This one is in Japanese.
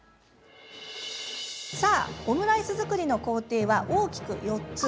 さあオムライス作りの工程は大きく４つ。